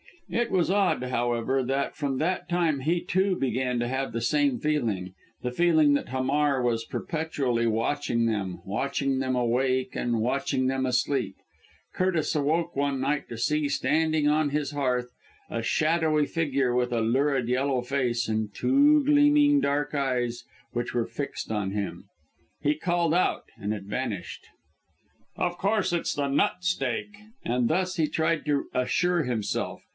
It was odd, however, that from that time he, too, began to have the same feeling the feeling that Hamar was perpetually watching them watching them awake and watching them asleep! Curtis awoke one night to see, standing on his hearth, a shadowy figure with a lurid yellow face and two gleaming dark eyes, which were fixed on him. He called out, and it vanished! "Of course it's the nut steak!" And thus he tried to assure himself.